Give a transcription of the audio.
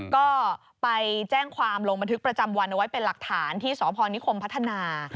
ก็ไปแจ้งความลงบันทึกประจำวันเอาไว้เป็นหลักฐานที่สพนิคมพัฒนา